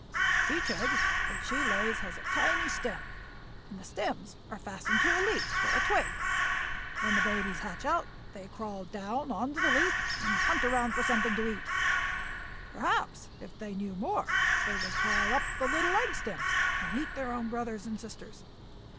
"Each egg which she lays has a tiny stem, and the stems are fastened to a leaf or twig. When the babies hatch out they crawl down onto the leaf and hunt around for something to eat. Perhaps if they knew more they would crawl up the little egg stems and eat their own brothers and sisters."